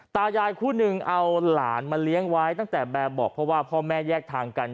ตายายคู่หนึ่งเอาหลานมาเลี้ยงไว้ตั้งแต่แบบบอกเพราะว่าพ่อแม่แยกทางกัน